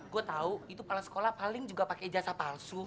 gue tahu itu kepala sekolah paling juga pakai jasa palsu